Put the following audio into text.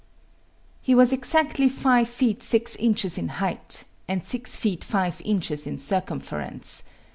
He was exactly five feet six inches in height, and six feet five inches in circumference.